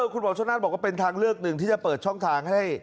คุณหมอชนนั่นบอกว่าเป็นทางเลือกหนึ่งที่จะเปิดช่องทางให้